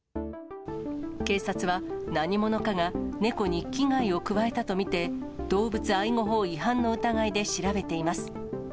警察は、何者かが猫に危害を加えたと見て、動物愛護法違反の疑いで調べています。